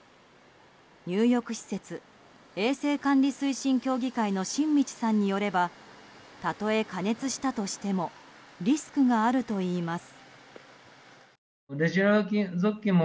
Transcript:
入浴施設衛生管理推進協議会の新道さんによればたとえ加熱したとしてもリスクがあるといいます。